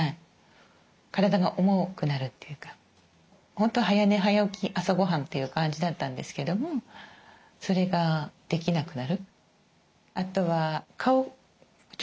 本当は早寝早起き朝ごはんという感じだったんですけどもそれができなくなる。